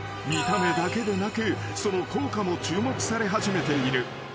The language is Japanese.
［見た目だけでなくその効果も注目され始めている］